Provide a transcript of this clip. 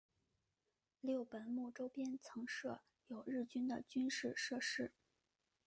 六本木周边曾设有日军的军事设施。